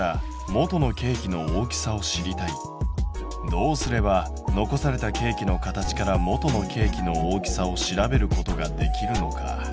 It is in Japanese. どうすれば残されたケーキの形から元のケーキの大きさを調べることができるのか？